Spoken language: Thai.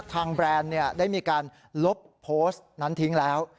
แบรนด์ได้มีการลบโพสต์นั้นทิ้งแล้ว